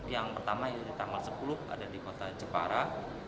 yang pertama ini tanggal sepuluh ada di kota jepara